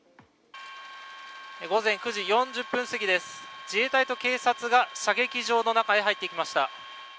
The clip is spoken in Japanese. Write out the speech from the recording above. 午前９時４０分過ぎです、自衛隊と警察が射撃場の中へ入っていきました。